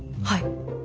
はい。